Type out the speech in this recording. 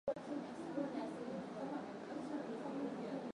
aa ya mchezo kuanzia soka na michezo mingineyo